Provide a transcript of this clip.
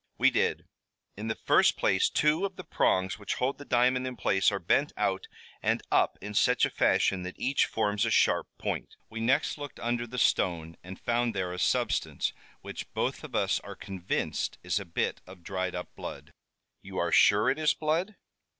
"We did. In the first place two of the prongs which hold the diamond in place are bent out and up in such a fashion that each forms a sharp point. We next looked under the stone and found there a substance which both of us are convinced is a bit of dried up blood." "You are sure it is blood?"